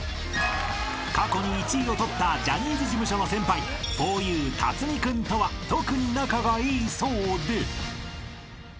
［過去に１位をとったジャニーズ事務所の先輩ふぉゆ辰巳君とは特に仲がいいそうで］